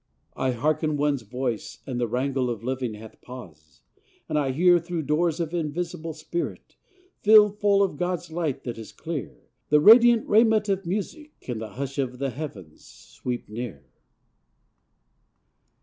I hearken one's voice, and the wrangle Of living hath pause: and I hear, Through doors of invisible spirit, Filled full of God's light that is clear, The radiant raiment of Music, In the hush of the heavens, sweep near.